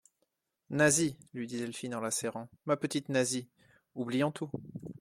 Nasie, lui dit Delphine en la serrant, ma petite Nasie, oublions tout.